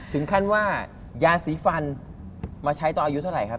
ถึงขั้นว่ายาสีฟันมาใช้ตอนอายุเท่าไหร่ครับ